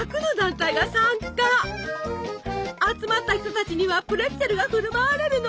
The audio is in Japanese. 集まった人たちにはプレッツェルが振る舞われるの。